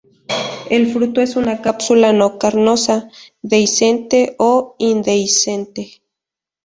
El fruto es una cápsula no carnosa, dehiscente o indehiscente.